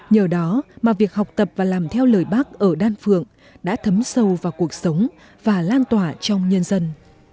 nhờ đó mà việc học tập và làm theo lời bác ở đan phượng đã thấm sâu vào cuộc sống và lan tỏa trong nhân dân